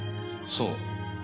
そう。